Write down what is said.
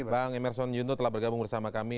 bang emerson yunto telah bergabung bersama kami